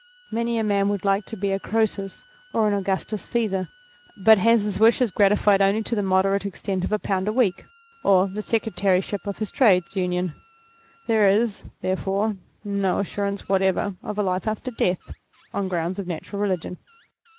Many a man would like to be a Croesus or an Augustus Caesar, but has his wishes gratified only to the moderate extent of a pound a week or the Secretaryship of his Trades Union. There is, therefore, no assurance whatever of a life after death, on grounds of natural religion.